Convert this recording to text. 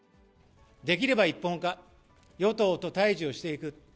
できれば一本化、与党と対じをしていく。